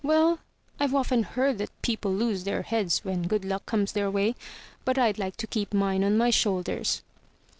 Well, I've often heard that people lose their heads when good luck comes their way; but I'd like to keep mine on my shoulders.'